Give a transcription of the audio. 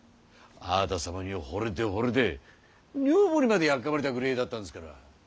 あなた様にほれてほれて女房にまでやっかまれたぐれえだったんですから。